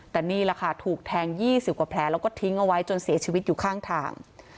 แต่นี่แหละค่ะถูกแทง๒๐กว่าแผลแล้วก็ทิ้งเอาไว้จนเสียชีวิตอยู่ข้างทาง